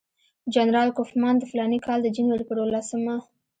جنرال کوفمان د فلاني کال د جنوري پر اووه لسمه.